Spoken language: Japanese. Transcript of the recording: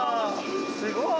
すごい！